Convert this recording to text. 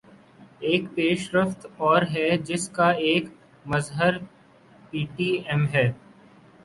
ایک پیش رفت اور ہے جس کا ایک مظہر پی ٹی ایم ہے۔